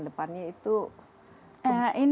depannya itu kebun